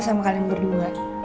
soalnya sama kalian berdua